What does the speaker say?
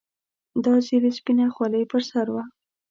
دا ځل يې سپينه خولۍ پر سر وه.